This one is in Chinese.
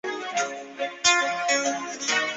可是要长达十小时就不行了